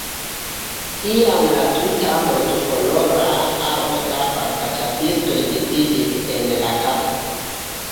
Tiam la tuta multkolora aro da falkĉasistoj disiĝis en la kampo.